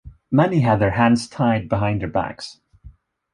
Many had their hands tied behind their backs.